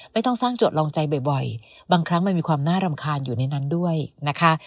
ไม่ต้องสร้างโจทย์ลองใจบ่อยบางครั้งมันมีความน่ารำคาญอยู่ในนั้นด้วยนะคะ